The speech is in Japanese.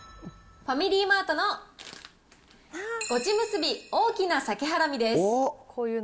ファミリーマートのごちむすび大きな鮭はらみです。